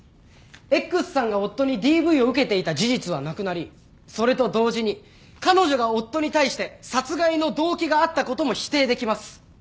Ｘさんが夫にＤＶを受けていた事実はなくなりそれと同時に彼女が夫に対して殺害の動機があったことも否定できます。